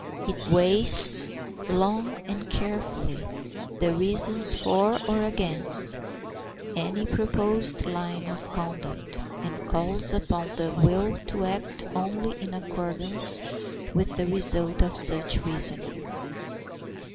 It weighs long and carefully the reasons for or against any proposed line of conduct, and calls upon the will to act only in accordance with the result of such reasoning.